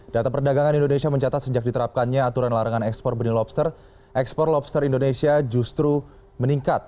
data perdagangan indonesia mencatat sejak diterapkannya aturan larangan ekspor benih lobster ekspor lobster indonesia justru meningkat